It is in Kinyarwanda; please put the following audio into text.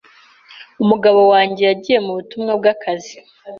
umugabo wanjye yagiye mu butumwa bw’ akazi